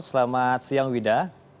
selamat siang wida